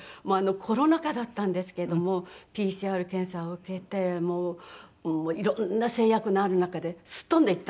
コロナ禍だったんですけどもＰＣＲ検査を受けて色んな制約のある中ですっ飛んで行ったんですよね。